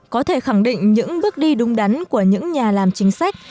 có thể khẳng định những bước đi đúng đắn của những nhà làm chính sách